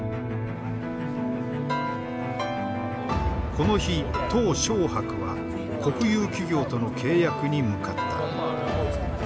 この日小白は国有企業との契約に向かった。